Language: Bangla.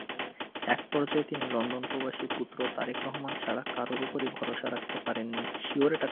একপর্যায়ে তিনি লন্ডনপ্রবাসী পুত্র তারেক রহমান ছাড়া কারও ওপরই ভরসা রাখতে পারেননি।